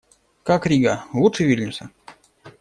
Как Рига? Лучше Вильнюса?